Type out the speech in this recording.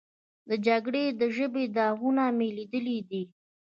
د جګړې د ژبې داغونه مې لیدلي دي.